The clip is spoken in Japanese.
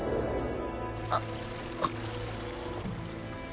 あっ。